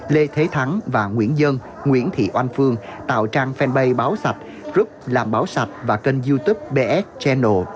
lê thế thắng và nguyễn dân nguyễn thị oanh phương tạo trang fanpage báo sạch group làm báo sạch và kênh youtube bs channel